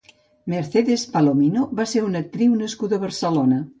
Mercedes Palomino va ser una actriu nascuda a Barcelona.